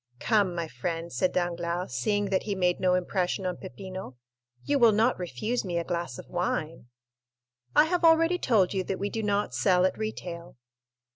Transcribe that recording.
"Come, my friend," said Danglars, seeing that he made no impression on Peppino, "you will not refuse me a glass of wine?" "I have already told you that we do not sell at retail."